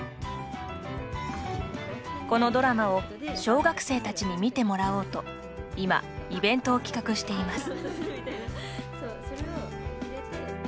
このドラマを小学生たちに見てもらおうと今、イベントを企画しています。